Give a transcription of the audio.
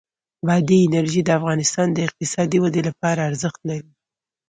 بادي انرژي د افغانستان د اقتصادي ودې لپاره ارزښت لري.